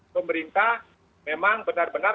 pemerintah memang benar benar